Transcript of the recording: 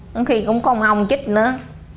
có khi cũng có ông chích nữa